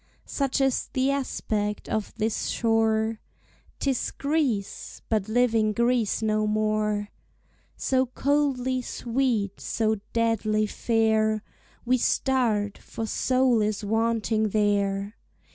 Such is the aspect of this shore; 'Tis Greece, but living Greece no more! So coldly sweet, so deadly fair, We start, for soul is wanting there.